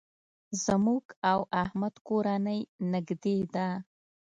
زموږ او احمد کورنۍ نېږدې ده.